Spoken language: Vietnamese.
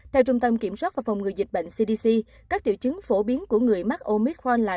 theo trung tâm kiểm soát và phòng ngừa dịch bệnh cdc các triệu chứng phổ biến của người mắc oit frene